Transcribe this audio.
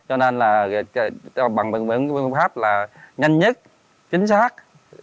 cho nên là bằng bình luận pháp là nhanh nhất chính xác